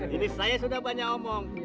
ini saya sudah banyak obat